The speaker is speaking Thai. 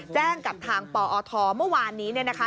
แจ้งกับทางปอทเมื่อวานนี้